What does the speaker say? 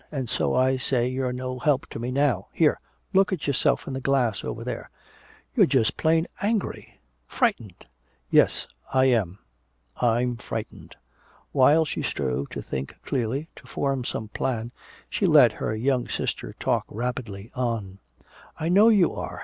And so I say you're no help to me now! Here look at yourself in the glass over there! You're just plain angry frightened!" "Yes I am I'm frightened." While she strove to think clearly, to form some plan, she let her young sister talk rapidly on: "I know you are!